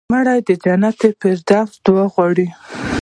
مړه ته د جنت الفردوس دعا غواړو